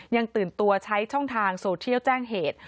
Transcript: ยังตื่นตัวใช้ช่องทางโซเทียลแจ้งเหตุ